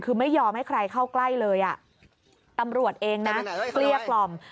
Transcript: คือไม่ยอมให้ใครเข้าใกล้เลยอ่ะตำรวจเองนะเกลี้ยกล่อม